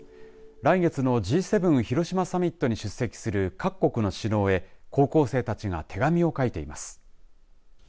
来月のＧ７広島サミットに出席する各国の首脳へ、高校生たちが手紙を書いています。